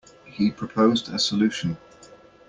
He proposed a solution.